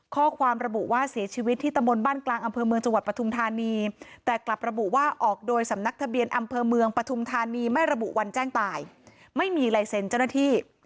ข้อความระบุว่าเสียชีวิตที่ตะมนต์บ้านกลางอำเภอเมืองจังหวัดปทุมธานีแต่กลับระบุว่าออกโดยสำนักทะเบียนอำเภอเมืองปฐุมธานีไม่ระบุวันแจ้งตายไม่มีลายเซ็นต์เจ้าหน้าที่